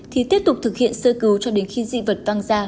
thì tiếp tục thực hiện sư cứu cho đến khi dị vật văng ra